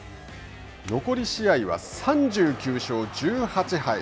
残り試合は３９勝１８敗。